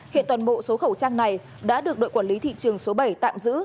hiện toàn bộ số khẩu trang này đã được đội quản lý thị trường số bảy tạm giữ